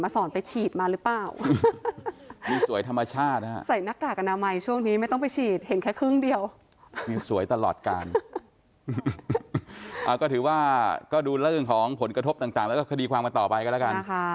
ไม่ใช่หมอของขวัญอะ